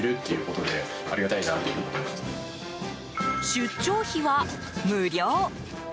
出張費は無料。